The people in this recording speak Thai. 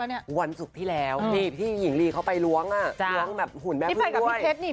เพิ่มร้อนร้อนสุขที่แล้วที่หญิงลีไปล้วงอะไร